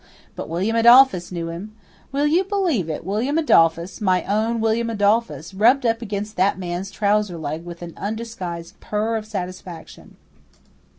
But William Adolphus knew him. Will you believe it, William Adolphus, my own William Adolphus, rubbed up against that man's trouser leg with an undisguised purr of satisfaction.